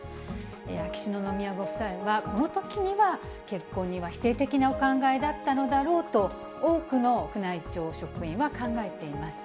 秋篠宮ご夫妻は、このときには結婚には否定的なお考えだったのだろうと、多くの宮内庁職員は考えています。